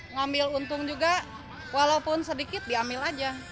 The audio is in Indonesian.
ngambil untung juga walaupun sedikit diambil aja